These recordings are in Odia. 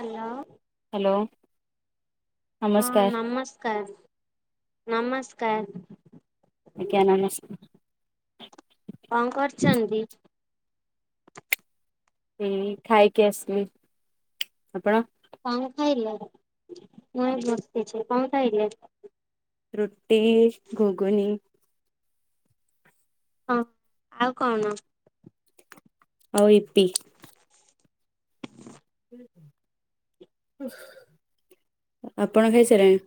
ହ୍ୟାଲୋ। ହ୍ୟାଲୋ। ହଁ ନମସ୍କାର ନମସ୍କାର ନମସ୍କାର। ଆଜ୍ଞା ନମସ୍କାର। କଣ କରୁଛନ୍ତି? ଏଇ ଖାଇକି ଆସିଲି ଆପଣ। କଣ ଖାଇଲ ମୁ ଏଇ ବସିଛି କଣ ଖାଇଲେ? ରୁଟି ଘୁଘୁନୀ। ହଁ ଆଉ କଣ? ଆଉ ଇପି। ଆପଣ ଖାଇସାରିଲେଣି?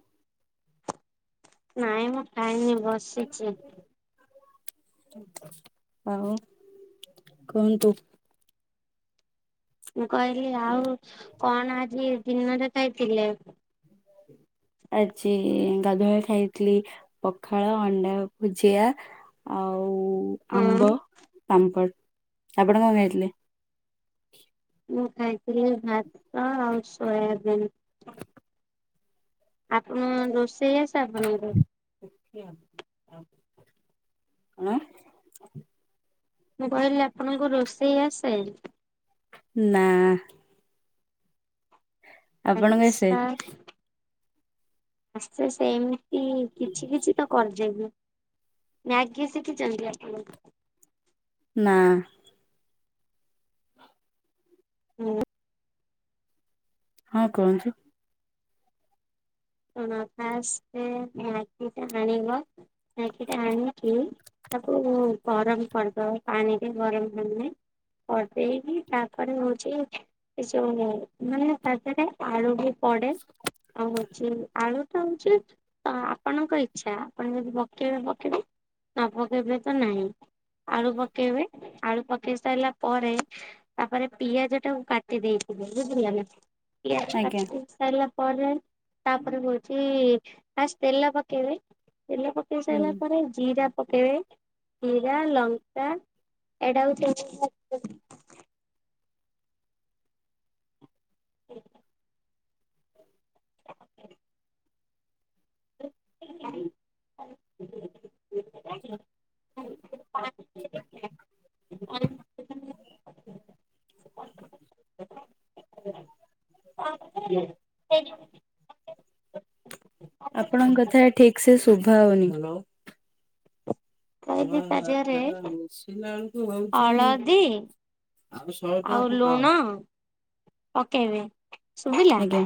ନାଇଁ ମୁଁ ଖାଇନି ବସିଛି। ଆଉ କୁହନ୍ତୁ। ମୁଁ କହିଲି ଆଉ କଣ ଆଜି ଦିନରେ ଖାଇଥିଲେ। ଆଜି ଗାଧୁଆବେଳେ ଖାଇଥିଲି ପଖାଳ ଅଣ୍ଡା ଭୁଜିଆ ଆଉ [inaudible] ଆମ୍ବ ପାମ୍ପଡ଼। ଆପଣ କଣ ଖାଇଥିଲେ? ମୁଁ ଖାଇଥିଲି ଭାତ ଆଉ ସୋୟାବିନ୍। ଆପଣ ରୋଷେଇ ଆସେ ଆପଣଙ୍କୁ? ଆଁ ମୁଁ କହିଲି ଆପଣଙ୍କୁ ରୋଷେଇ ଆସେ? ନାଁ। ଆପଣଙ୍କୁ ଆସେ? ଆଚ୍ଛା ଆସେ ସେମିତି କିଛି କିଛି ତ କରିଜେଇବି ମେଁଗୀ ଶିଖିଛନ୍ତି ଆପଣ। ନା ହୁଁ ହଁ କୁହନ୍ତୁ। ସୁଣ ଫାଷ୍ଟ ମ୍ୟାଗିଟା ଆଣିବ, ମ୍ୟାଗିଟା ଆଣିକି ତାକୁ ଗରମ କରିଦବା ପାଣିରେ ଗରମ ପାଣିରେ କରିଦେଇକି ତାପରେ ହଉଛି ଏଇଯୋ ମାନେ ତା ଦେହରେ ଆଲୁ ବି ପଡ଼େ। ଆଉ ହଉଛି ଆଳୁ ଟା ହଉଛି ତ ଆପଣଙ୍କ ଇଛା ଆପଣ ଯଦି ପକେଇବେ ପକେଇବେ ନ ପକେଇବେ ତ ନାହିଁ। ଆଳୁ ପକେଇବେ ଆଳୁ ପକେଇ ସାରିଲା ପରେ ତାପରେ ପିଆଜ ଟାକୁ କାଟି ଦେଇଥିବେ ବୁଝିଲ ନା। ପିଆଜ ଆଜ୍ଞା କାଟି ସଇଲା ପରେ ତାପରେ ହଉଛି ଫାଷ୍ଟ ତେଲ ପକେଇବେ ତେଲ ପକେ କେଇ ସାରିଲା ହୁଁ ପରେ ଜିରା ପକେଇବେ। ହୀରା ଲଙ୍କା ଏଟା ହେଉଛି [unintelligible] [inaudible] [inaudible] ପାଣି ଦେବେ। [unintelligible] ଆପଣଙ୍କ କଥା ଠିକ ସେ ଶୁଭା ହେଉନି। [unintelligible] ହଳଦୀ ଆଉ ଲୁଣ ପକେଇବେ। ଶୁଭିଲା ଆଜ୍ଞା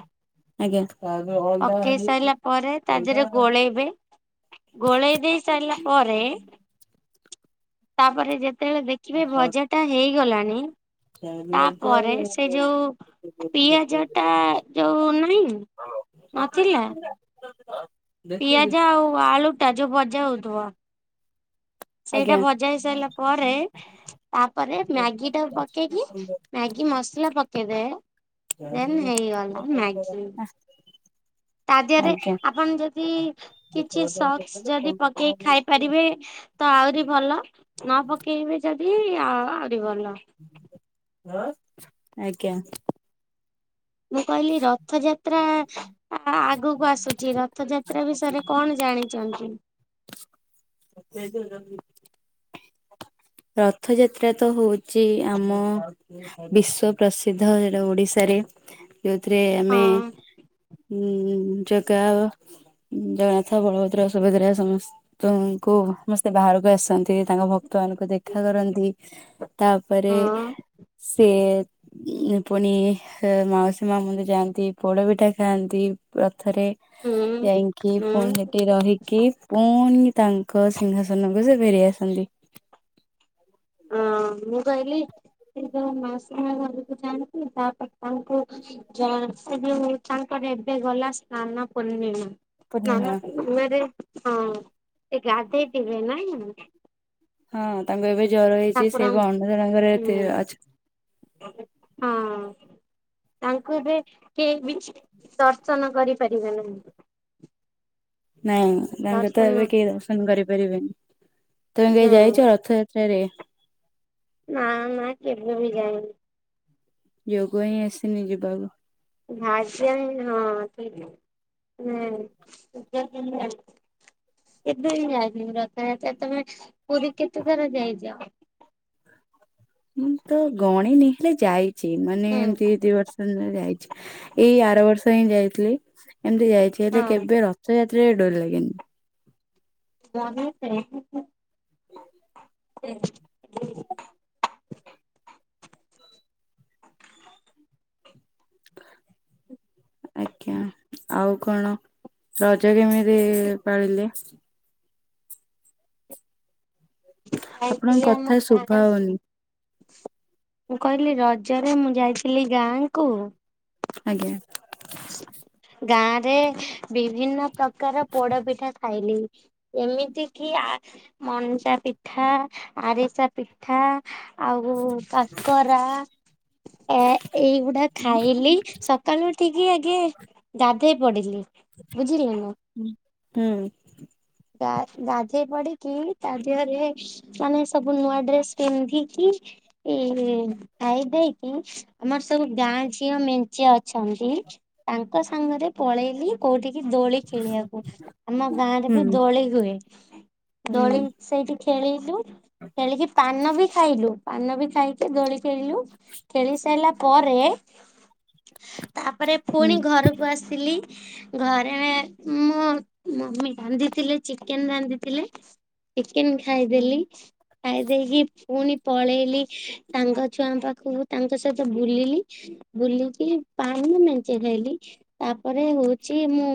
ଆଜ୍ଞା। ପକେଇ ସାରିଲା ପରେ ତା ଦେହରେ ଗୋଳେଇବେ। ଗୋଳେଇ ଦେଇ ସାରିଲା ପରେ ତାପରେ ଯେତେବେଳେ ଦେଖୀ ଖିବେ ଭଜା ଟା ହେଇଗଲାଣି ତାପରେ ସେ ଯୋଉ ପିଆଜ ଟା ଯୋଉ ନାହିଁ ନଥିଲା। ପିଆଜ ଆଉ ଆଳୁ ଟା ଯୋଉ ବଜା ହଉଥିବ। ସେଇଟା ଆଜ୍ଞା ଭଜା ହେଇ ସାରିଲା ପରେ ତାପରେ ମ୍ୟାଗି ଟା ପକେଇକି ମ୍ୟାଗି ମସଲା ପକେଇବେ। ଦେନ୍ ହେଇଗଲା ମ୍ୟାଗି। ତା ଦିହରେ ଆଜ୍ଞା ଆପଣ ଯଦି କିଛି ସକ୍ସ ଯଦି ପକେଇ ଖାଇପାରିବେ ତ ଆହୁରି ଭଲ ନ ପକେଇବେ ଯଦି ଆ ଆହୁରି ଭଲ। ଆଜ୍ଞା। ମୁଁ କହିଲି ରଥଯାତ୍ରା ଆଗକୁ ଆସୁଛି ରଥଯାତ୍ରା। ତ୍ରା ବିଷୟରେ କଣ ଜାଣିଛନ୍ତି। [unintelligible] ରଥଯାତ୍ରା ତ ହଉଛି ଆମ ବିଶ୍ଵ ପ୍ରସିଦ୍ଧ ସେଟା ଓଡିଶାରେ। ଯେଉଥିରେ ଆମେ ହଁ ଉଁ ଜଗା ଜଗନ୍ନାଥ ବଳଭଦ୍ର ସୁଭଦ୍ରା ସମସ୍ତେ ତଙ୍କୁ ସମସ୍ତେ ବାହାରକୁ ଆସନ୍ତି ତାଙ୍କ ଭକ୍ତମାନଙ୍କୁ ଦେଖି। ଦେଖା କରନ୍ତି ତାପରେ ହଁ ସିଏ ଉ ପୁଣି ହେ ମାଉସୀ ମା ମନ୍ଦିର ଯାଆନ୍ତି, ପୋଡ ପିଠା ଖାଆନ୍ତି, ରଥରେ ହୁଁ ଯାଇକି ପୁଣି ହୁଁ ସେଠି ରହିକି ପୁନି ତାଙ୍କ ସିଂହାସନକୁ ସେ ଫେରି ଆସନ୍ତି। [unintelligible] ହଁ ମୁଁ କହିଲି ସେ ଯେତେବଳେ ମାଉସି ମା ଘରକୁ ଯାଆନ୍ତି ତା ପରେ ତାଙ୍କୁ [unintelligible] ପୂର୍ଣ୍ଣିମା ସ୍ନାନପୂର୍ଣ୍ଣିମାରେ ହଁ ସେ ଗାଧେଇଥିବେ ନା। ହଁ ତାଙ୍କୁ ଏବେ ଜର ହେଇଛି ସିଏବେ ଠାକୁରଙ୍କୁ ଅନ୍ଧାର ଘରେ ଥିବେ ଉଁ ଅଛି। ହଁ। ତାଙ୍କୁ ବି କେହି ବି ଦର୍ଶନ କରିପାରିବେ ନାହିଁ। ନାଇଁ ତାଙ୍କୁତ ଏବେ ଦର୍ଶନ କେହି ଦର୍ଶନ କରିପାରିବେନି। ତମେ କେବେ ହୁଁ ଯାଇଛ ରଥଯାତ୍ରାରେ? ନା ନା କେବେ ବି ଯାଇନି। ଯୋଗ ହିଁ ଆସିନି ଯିବାକୁ। [unintelligible] କେବେବି ଯାଇନି ରଥଯାତ୍ରାରେ, ତମେ ପୁରୀ କେତେ ଥର ଯାଇଚ? ମୁଁ ତ ଗଣିନି ହେଲେ ଯାଇଛି ମାନେ ହୁଁ ଏମତି ଦି ବର୍ଷ ଯାଇଛି ଏଇ ଆର ବର୍ଷ ହିଁ ଯାଇଥିଲି, ଏମତି ଯାଇଛି ହେଲେ ହଁ କେବେ ରଥଯାତ୍ରା ତେ ଡୋରି ଲାଗିନି। [unintelligible] [unintelligible] ଆଜ୍ଞା ଆଉ କଣ? ରଜ କେମିତି ପାଳିଲେ? ଆପଣଙ୍କ ଆମ କଥା ଶୁଭା ଗାଁକୁ। ହଉନି। ମୁଁ କହିଲି ରଜରେ ମୁଁ ଯାଇଥିଲି ଗାଁ କୁ। ଆଜ୍ଞା। ଗାଁ ରେ ବିଭିନ୍ନ ପ୍ରକାର ପୋଡ ପିଠା ଖାଇଲି। ଏମିତି କି ଆ ମଣ୍ଡାପିଠା, ଆରିସା ପିଠା ଆଉ କାକରା ତ ଏଇଗୁଡା ଖାଇଲି ସକାଳୁ ଉଠିକି ଜି ଏ ଆଗେ ଗାଧେଇ ପଡିଲି ବୁଝିଲ ନ। ହୁଁ ଗା ଗାଧେଇ ପଡିକି ତା ଦେହରେ ମାନେ ସବୁ ନୂଆ ଡ୍ରେସ ପିନ୍ଧିକି ଏ ଖାଇ ଦେଇକି ଆମର ସବୁ ଗାଁ ଝିଅ ମେଞ୍ଚେ ଅଛ ରହିନ୍ତି ତାଙ୍କ ସାଙ୍ଗରେ ପଳେଇଲି କୋଉଠିିକି ଦୋଳି ଖେଳିବାକୁ। ଆମ ଗାଁରେ ହୁଁ ବି ଦୋଳି ହୁଏ। ହୁଁ ଦୋଳି ସେଇଠି ଖେଳିଲୁ। ଖେଳିକି ପାନ ବି ଖାଇଲୁ। ପାନ ବି ଖାଇକି ଦୋଳି ଖେଳିଲୁ। ଖେଳି ସାରିଲା ପରେ ତାପରେ ପୁଣି ଘରକୁ ଆସିଲି। ଘରେ ମୋ ମମି ରାନ୍ଧିଥିଲେ, ଚିକେନ ରାନ୍ଧିଥିଲେ। ଚିକେନ୍ ହୁଁ ଖାଇଦେଲି। ଖାଇ ଦେଇକି ପୁଣି ପଳେଇଲି ସାଙ୍ଗ ଛୁଆଙ୍କ ପାଖକୁ, ତାଙ୍କ ସହିତ ବୁଲିଲି ବୁଲିକି ପାଣି ମେଞ୍ଚେ ଖାଇଲି, ତାପରେ ହଉଛି ମୁଁ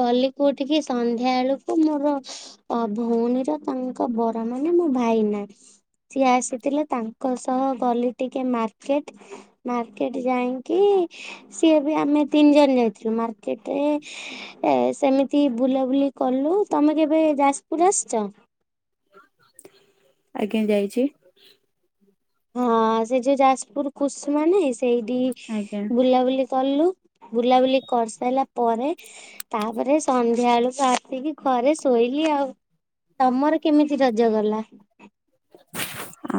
ଗଲି କୋଉଠିକି ସନ୍ଧ୍ୟା ବେଳକୁ ମୋର ମୋ ଭଉଣୀର ତାଙ୍କ ବର ମାନେ ମୋ ଭାଇନା ସିଏ ଆସିଥିଲେ, ତାଙ୍କ ସହ ଗଲି ଟିକେ ମାର୍କେଟ। ମାର୍କେଟେ ଯାଇଁକି ସିଏ ବି ଆମେ ତିନି ଜଣ ଯାଇଥିଲୁ ମାର୍କେଟ୍ ରେ। ଏ ସେମିତି ବୁଲାବୁଲି କଲୁ ତମେ କେବେ ଯାଜପୁର ଆସଚ? ଆଜ୍ଞା ଯାଇଛି। ହଁ ସେ ଯୋଉ ଯାଜପୁର କୁସୁମା ନାଇଁ ସେଇଠି ଆଜ୍ଞା ବୁଲାବୁଲି। କଲୁ ବୁଲାବୁଲି କରିସାଇଲା ପରେ। ତାପରେ ସନ୍ଧ୍ୟା ଳୁକୁ ଆସିକି ଘରେ ଶୋଇଲି ଆଉ। ତମର କେମିତି ରଜ ଗଲା?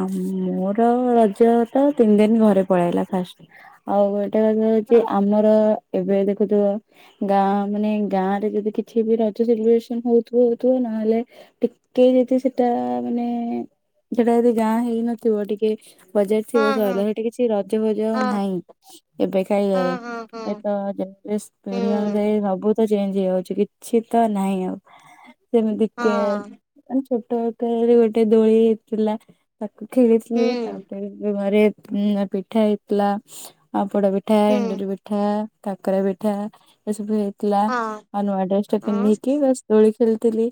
ଆ ମୋର ରଜ ତ ତିନ ଦିନ ଘରେ ପଳେଇଲା ଫାଷ୍ଟ୍। ଆଉ ଏଇଟା କଥା ହଉଛି ହଁ ଆମର ଏବେ ଦେଖୁଥିବ। ଗାଁ ମାନେ ଗାଁ ରେ ଯଦି କିଛି ବି ରଜ ସେଲିବ୍ରେସନ ହଉଥିବ ହଉଥିବ ନହଲେ। ଟିକେ ଯଦି ସେଟା ମାନେ। ସେଟା ଯଦି ଗାଁ ହେଇନଥିବ ଟିକେ ବଜାର ହଁ ଥିବ ହଁ ସଇଲା ସେଠି କିଛି ରଜ ଫଜ ହଁ ନାହିଁ। ଏବେ ଖାଇବାରେ। ହଁ ହଁ ହଁ ଏ ତ ଯୋଉ [unintelligible] ପିଢି ଅନୁଯାଇ ହୁଁ ସବୁ ତ ଚେଞ୍ଜ ହେଇଯାଉଛି କିଛି ତ ନାହିଁ ଆଉ। ସେମିତି କେ ହଁ ମାନେ ଛୋଟ ଆକାରରେ ଗୋଟେ ଦୋଳି ହେଇଥିଲା। ତାକୁ ଖେଳିଥିଲି ହୁଁ ତାପରେ ବି ଘରେ ଉମ ପିଠା ହେଇଥିଲା। ଆ ପୋଡ଼ ପିଠା ହୁଁ ଏଣ୍ଡୁରି ପିଠା କାକରା ପିଠା ଏସବୁ ହେ ଥିଲା ହଁ ଆ ନୂଆ ଡ୍ରେସ୍ ଟେ ହଁ ପିନ୍ଧିକିି ବାସ୍। ଦୋଳି ଖେଳିଥିଲି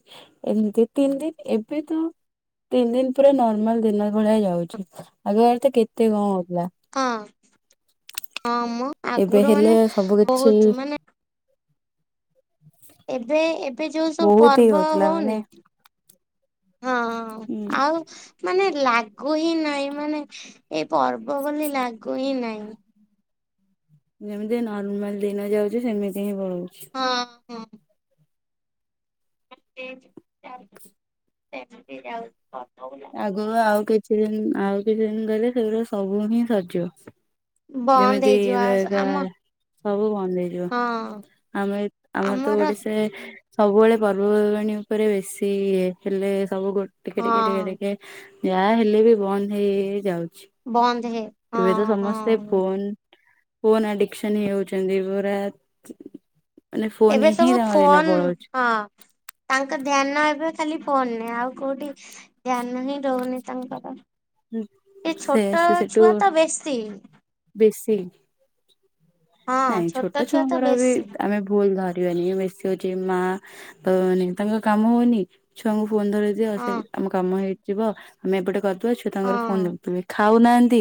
ଏମିତି ତିନ୍ ଦିନ୍ ଏବେ ତ ତିନ ଦିନ୍। ପୁରା ନର୍ମାଲ୍ ଦିନ ଭଳିଆ ଯାଉଛି ଆଗ ଆଡେ ତ କେତେ କଣ ହଉଥିଲା। ହଁ ହଁମ ଏବେ ଆଗୁରୁ ହେଲେ ମାନେ ସବୁ କିଛି ବହୁତୁ ମାନେ। ଏବେ ଏବେ ଯୋଉ ସବୁ ବହୁତ ହିଁ ପର୍ବ ହଉଥିଲା ମାନେ ହଉନି। ହଁ ହୁଁ। ଆଉ। ମାନେ ଲାଗୁ ହି ନାହିଁ ମାନେ ଏଇ ପର୍ବ ବୋଲି ଲାଗୁ ହି ନାହିଁ। ଯେମିତି ନର୍ମାଲ୍ ଦିନ ଯାଉଛି ସେମିତି ହିଁ ପଳଉଛି। ହଁ ହଁ। [unintelligible] ଏମତି ଯାଉଛି ଫଟୋ ବୋଲି। ଆଗରୁ ଆଉ କିଛି ଦିନ୍ ଆଉ କିଛି ଦିନ୍ ଗଲେ ସେଗୁଡା ସବୁ ହିଁ ସରଯିବ। ବନ୍ଦ ଯେମିତି ହେଇଯିବ ଆ ଏବେକା। ଆମ ସବୁ ବନ୍ଦ୍ ହେଇଯିବ ହଁ ଆମେ ଏ ଆମର ତ ଓଡିଶାରେ। ସବୁବେଳେ ପର୍ବପର୍ବାଣୀ ଉପରେ ବେଶୀ ଇଏ ହେଲେ ସବୁ ଗୋ ଟିକେ ଟିକେ ଟିକେ ହଁ ଟି କେ ଯାହା ହେଲେ ବି ବନ୍ଦ୍ ହେଇ ହେଇ ଯାଉଛି। ବନ୍ଦ୍ ହେ ହଁ ଏବେ ତ ସମସ୍ତେ ହଁ ଫୋନ୍ ଫୋନ୍ ଆଡିକସନ୍ ହେଇଯାଉଛନ୍ତି ପୁରା। ମାନେ ଫୋନ ଏବେ ହିଁ ସବୁ ତାଙ୍କ ଦିନ ଫୋନ୍ ପଳଉଛି। ହଁ। ତାଙ୍କ ଧ୍ୟାନ ଏବେ ଖାଲି ଫୋନ୍ ରେ ଆଉ କୋଉଠି ଧ୍ୟାନ ହିଁ ରହୁନି ତାଙ୍କର। ଏଇ ସେ ଛୋଟ ସେ ସେଠୁ ଛୁଆ ତ ବେଶୀ। ବେଶୀ। ହଁ ନାଇଁ ଛୋଟ ଛୁଆ ତ ଛୁଆଙ୍କର ବି ବେଶୀ ଆମେ ଭୁଲ୍ ଧରିବାନି ବେ ଶି ହଉଛି ମା ଭଉଣୀ ତମର କାମ ହଉନି ଛୁଆଙ୍କୁ ଫୋନ୍ ଧରେଇଦିଅ ସେ ହଁ ଆମ। କାମ ହେଇଯିବ ଆମେ ଏପଟେ କରଦବା ଛୁଆ ତାଙ୍କର ଫୋନ୍ ହଁ ଦେଖୁଥିବେ ଖାଉନାହାନ୍ତି।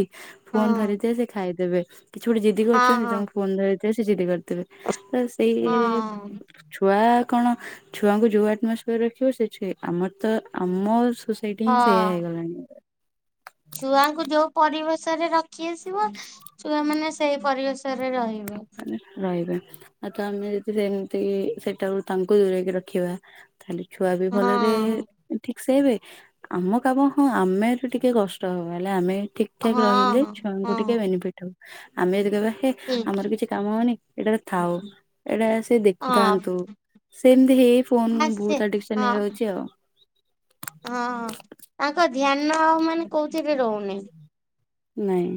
ହଁ ଫୋନ୍ ଧରିଥିବେ ସେ ଖାଇଦେବେ କିଛି ଗୋଟେ ଜିଦି ହଁ କରୁଛନ୍ତି ହଁ ତାଙ୍କୁ ଫୋନ୍ ଧରେଇଦିଅ ସେ ଜିଦି କରି। ଦେବେ ତ ସେଇ ରେ। ହଁ ଛୁଆ କଣ ଛୁଆଙ୍କୁ ଯୋଉ ଆଟମସଫିୟର ରେ ରଖିବ ସେ ଛୁଏ ଆମର ତ ଆମର ହେଇଠି ହିଁ ସେୟା ହଁ ହେଇଗଲାଣି। ଛୁଆଙ୍କୁ ଯୋଉ ପରିବେଶରେ ରଖି ଆସିବ ଛୁଆମାନେ ସେଇ ପରିବେଶରେ ରହିବେ। ଉଁ ରହିବେ ଆଉ ତ ଆମେ ଯଦି ସେମତି କି ସେଠାରୁ ତାଙ୍କୁ ଦୂରେଇକି ରଖିବା ତାହେଲେ ଛୁଆ ବି ଭଲେରେ ହଁ ଠିକସେ ଏବେ ଆମ କାମ ହଁ ଆମେ ଯଦି ଟିକେ କଷ୍ଟ ହବ ହେଲେ ଆମେ ଠିକ୍ ଠାକ୍ ରହିଲେ ହଁ ଛୁଆଙ୍କୁ ହଁ ଟିକେ ବେନିଫିଟ୍ ହବ ଆମେ ଯଦି କହିବା ହେ ଆମର ହୁଁ। କିଛି କାମ ହଉନି ଏଇଟା ଥାଉ ଏଇଟା ସେ ହଁ ଦେଖୁଥାନ୍ତୁ ସେମତି ହେଇ ଫୋନ୍ ଆସେ ବହୁତ ଆଡିକ୍ସନ୍ ହେଇଯାଉଚି ଆଉ। ହଁ ହଁ ତାଙ୍କ ଧ୍ୟାନ ଆଉ ମାନେ କୋଉଥିରେ ରହୁନେଇ। ନାଇଁ।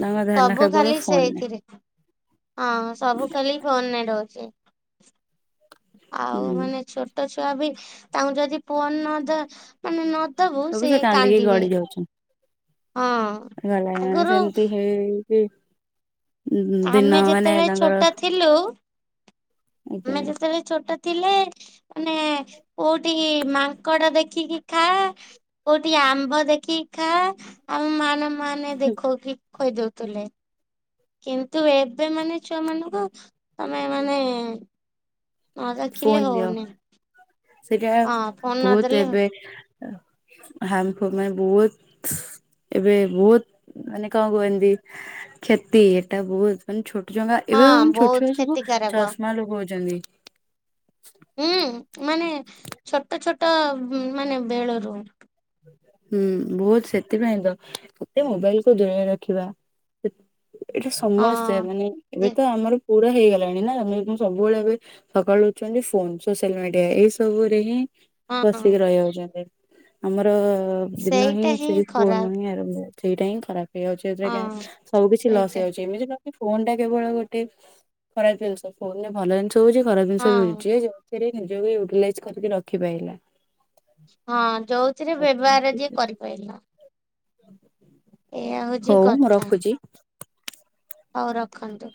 ତାଙ୍କ ଧ୍ୟାନ ସବୁ କେବଳ ଖାଲି ଫୋନରେ ସେଇଥିରେ। ହଁ ସବୁ ଖାଲି ଫୋନ ରେ ରହୁଚି। ଆଉ ହୁଁ ମାନେ ଛୋଟ ଛୁଆ ବି ତାଙ୍କୁ ଯଦି ପୋନ ନ ଦ ମାନେ ନ ଦବୁ ସବୁ ସେ ସେଇ କାନ୍ଦିକି କାନ୍ଦିବେ। ହଁ। ଗଲାଇ ମାନେ ଆଗରୁ ସେମତି ହେଇ ହେଇକି ଉଁ ଦିନ ମାନେ ତାଙ୍କର ହେଲୋ। ଆଜ୍ଞା ଆମେ ଯେତେବେଳେ ଛୋଟ ଥିଲେ ମାନେ କୋଉଠିକି ମାଙ୍କଡ ଦେଖିକି ଖା। କୋଉଠି ଆମ୍ବ ଦେଖିକି ଖା ଆମ ମା ନ ମାନେ ଦେଖଉକି ଖୁଆଇ ଦଉଥିଲେ। କିନ୍ତୁ ଏବେ ମାନେ ଛୁଆ ମାନଙ୍କୁ ତମେ ମାନେ ନ ଫୋନ ଦେଖିଲେ ଦିଅ ହଉନି। ସେଇଟା ହଁ ଫୋନ ବହୁତ ନଦେଲେ ଏବେ ଅ ହାର୍ମ ଫୁ ମାନେ ବହୁତ ଏବେ ବହୁତ ମାନେ କଣ କୁହନ୍ତି କ୍ଷତି ଏଟା ବହୁତ ମାନେ ଛୋଟ ଛୁଆ ଙ୍କ ଏବେ ହଁ ଭାବନ୍ ଛୋଟ ବହୁତ ଛୁଆ ସବୁ କ୍ଷତିକାରକ। ଚଷମା ଲଗଉଚନ୍ତି। ହୁଁ ମାନେ ଛୋଟ ଛୋଟ ଉଁ ମାନେ ବେଳରୁ। ହୁଁ ବହୁତ ସେଥିପାଇଁ ତ ଯେତେ ମୋବାଇଲ କୁ ଦୂରେଇ ରଖିବା ସେ ଏଇଟା ସମସ୍ତେ ହଁ। ମାନେ ଏବେ ଯେ ତ ଆମର ପୁରା ହେଇଗଲାଣି ନା ମେ ସବୁବେଳେ ଏବେ ସକାଳୁ ଉଠୁଚନ୍ତି ଫୋନ ସୋସିଆଲ ମିଡିଆ ଏଇସବୁରେ ହିଁ ହଁ ପଶିିକି ରହିଯାଉଚନ୍ତି। ଆମର ଦିନ ହିଁ ସେଇଟା ସେଇ ଫୋନରୁ ଖରାପ ହିଁ ଆରମ୍ଭ ହୁଏ। ସେଇଟା ହିଁ ଖରାପ ହେଇଯାଉଛି ହଁ [unintelligible] ସବୁ କିଛି ଲସ ସେଇଟା ହେଇଯାଉଛି ଏମିତି ଫୋନ ଟା କେବଳ ଗୋଟେ ଖରାପ ଜିନିଷ ଫୋନରେ ଭଲ ଜିନିଷ ହଉଚି ଖରାପ ଜିନିଷ ବି ହଉଚି ହଁ। ଯିଏ ଯୋଉ ଥିରେ ନିଜକୁ ୟୁଟିଲାଇଜ କରିକି ରଖିପାଇଲା। ହଁ ଯୋଉଥିରେ କଥା ବ୍ୟବହାର ହଉଛି ଯିଏ ସେଇଟା କରିପାଇଲା। [unintelligible] ଏଇଆ ହଉଚି ହଉ ମୁଁ କଥା। ରଖୁଛି। ହଉ ରଖନ୍ତୁ।